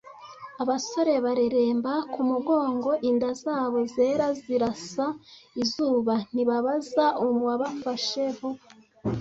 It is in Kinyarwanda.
Abasore bareremba ku mugongo, inda zabo zera zirasa izuba, ntibabaza uwabafashe vuba,